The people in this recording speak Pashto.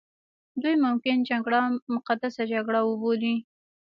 دوی ممکن جګړه مقدسه جګړه وبولي.